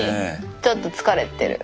ちょっと疲れてる。